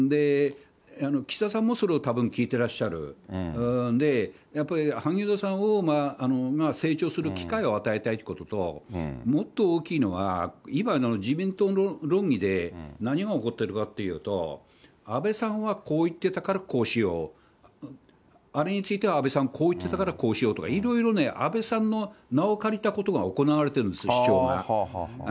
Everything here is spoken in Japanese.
岸田さんもそれをたぶん聞いてらっしゃるんで、やっぱり萩生田さんが成長する機会を与えたいということと、もっと大きいのは、今の自民党の論議で何が起こってるかというと、安倍さんはこう言ってたからこうしよう、あれについては、安倍さんこう言ってたからこうしようとか、いろいろね、安倍さんの名を借りたことが行われているんですよ、主張が。